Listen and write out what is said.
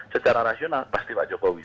secara rasional pasti pak jokowi